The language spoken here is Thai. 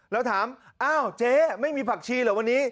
แล้วถามอ้าวเจ๊ไม่มีผักชีเหรอวันนี้